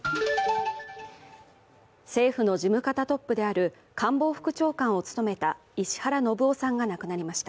政府の事務方トップである官房副長官を務めた石原信雄さんが亡くなりました。